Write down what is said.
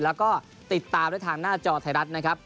แล้วก็ติดตามได้ทางหน้าจอไทยรัฐนะครับ